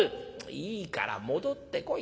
「いいから戻ってこい。